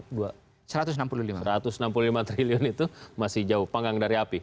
rp dua ratus enam puluh lima triliun itu masih jauh panggang dari api